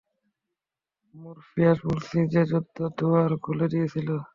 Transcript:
Morpheus বলছি, যে বদ্ধ দুয়ার খুলে দিয়েছিল।